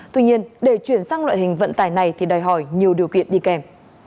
tuy nhiên để chuyển sang loại hình vận tải này thì đòi hỏi nhiều điều kiện đi kèm